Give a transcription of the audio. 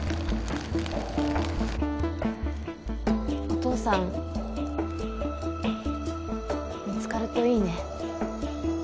お父さん見つかるといいね。